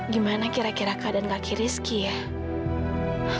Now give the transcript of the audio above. gimana kira kira keadaan kaki rizky ya